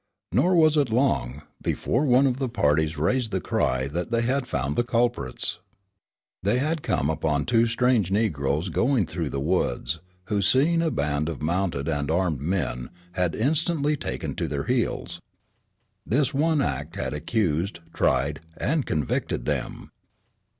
Nor was it long, before one of the parties raised the cry that they had found the culprits. They had come upon two strange negroes going through the woods, who seeing a band of mounted and armed men, had instantly taken to their heels. This one act had accused, tried and convicted them.